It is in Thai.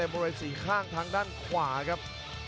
บริเวณสี่ข้างทางด้านขวาครับ